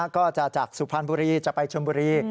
ก็จะจากสุพรรณบุรีจะไปชนบุรี